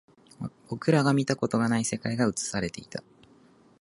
僕らが見たことがない世界が映されていた